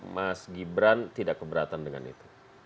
mas gibran tidak keberatan dengan itu